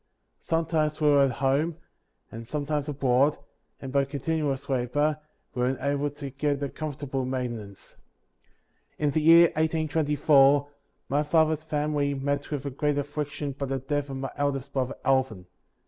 Sometimes we were at home, and sometimes abroad, and by con tinuous labor, were enabled to get a comfortable maintenance. 56. In the year 1824 my father's family met with a great affliction by the death of my eldest brother, Alvin.